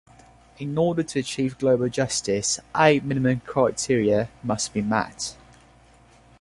In order to achieve global justice, eight minimum criteria must be met.